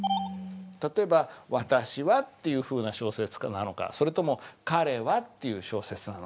例えば「私は」っていうふうな小説なのかそれとも「彼は」っていう小説なのか。